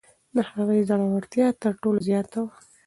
د هغې زړورتیا تر ټولو زیاته وه.